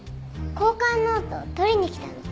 交換ノート取りに来たの。